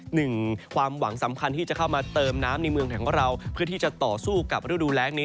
หนึ่งความหวังสำคัญที่จะเข้ามาเติมน้ำในเมืองไทยของเราเพื่อที่จะต่อสู้กับฤดูแรงนี้